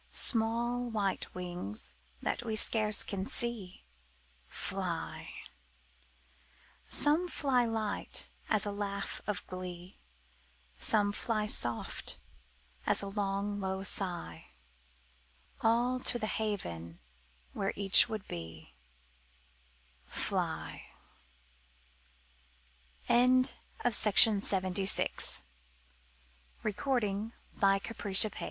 Small white wings that we scarce can see. Fly! Some fly light as a laugh of glee, Some fly soft as a long, low sigh; All to the haven where each would be, Fly! — Algernon Charles Swinburne.